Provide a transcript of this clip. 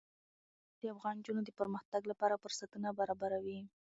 جلګه د افغان نجونو د پرمختګ لپاره فرصتونه برابروي.